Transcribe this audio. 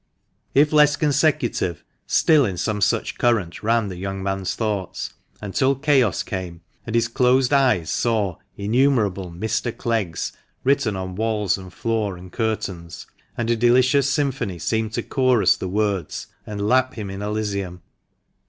If less consecutive, still in some such current ran the young man's thoughts, until chaos came, and his closed eyes saw 2o8 THE MANCHESTER MAN. innumerable Mr, Cleggs written on walls, and floor, and curtains, and a delicious symphony seemed to chorus the words, and "lap him in Elysium."